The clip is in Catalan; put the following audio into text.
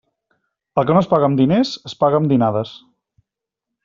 El que no es paga amb diners es paga amb dinades.